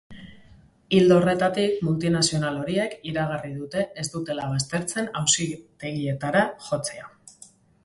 Ildo horretatik, multinazional horiek iragarri dute ez dutela baztertzen auzitegietara jotzea.